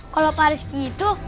kalau pariski itu